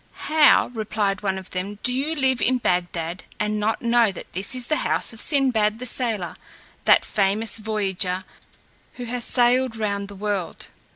"How," replied one of them, "do you live in Bagdad, and know not that this is the house of Sinbad, the sailor, that famous voyager, who has sailed round the world?"